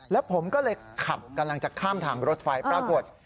แล้วผมก็เลยขับกำลังจะข้ามทางรถไฟปรากฏ